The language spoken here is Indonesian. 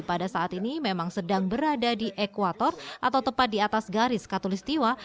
pada saat ini memang sedang berada di ekwator atau tepat di atas garis katolistiwa